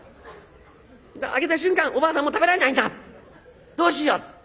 開けた瞬間おばあさんも食べられないなどうしよう。